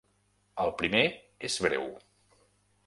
El primer és breu.